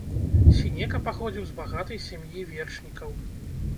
Сенека паходзіў з багатай сем'і вершнікаў.